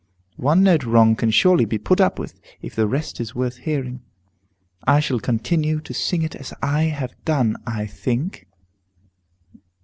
One note wrong can surely be put up with, if the rest is worth hearing. I shall continue to sing it as I have done, I think."